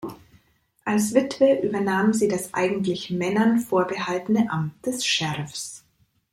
Als Witwe übernahm sie das eigentlich Männern vorbehaltene Amt des Sheriffs.